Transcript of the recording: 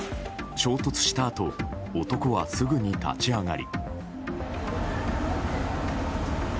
衝突したあと男はすぐに立ち上がり。